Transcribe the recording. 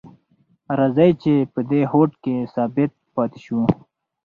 راځئ چې په دې هوډ کې ثابت پاتې شو.